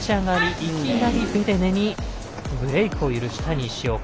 いきなりベデネにブレークを許した西岡。